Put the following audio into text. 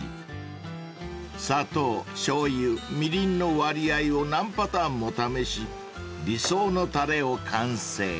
［砂糖しょうゆみりんの割合を何パターンも試し理想のたれを完成］